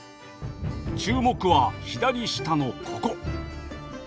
注目は左下のここ！